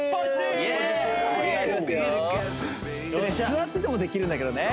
座っててもできるんだけどね